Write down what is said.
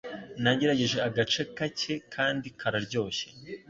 Nagerageje agace kake kandi kararyoshye.